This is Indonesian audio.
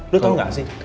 lo tau gak sih